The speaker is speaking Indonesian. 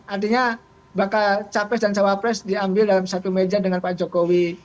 artinya bakal capres dan cawapres diambil dalam satu meja dengan pak jokowi